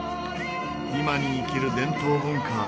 今に生きる伝統文化。